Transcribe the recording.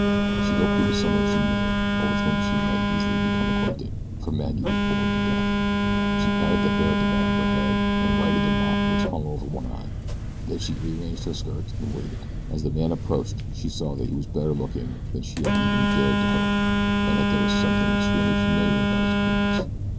She hoped it was someone she knew, or with whom she might easily become acquainted, for Maggie was bored to death. She patted the hair at the back of her head and righted the mop which hung over one eye. Then she rearranged her skirts and waited. As the man approached she saw that he was better looking than she had even dared to hope, and that there was something extremely familiar about his appearance.